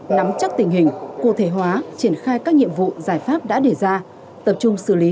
nắm chắc tình hình cụ thể hóa triển khai các nhiệm vụ giải pháp đã đề ra tập trung xử lý